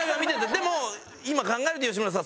でも今考えると吉村さん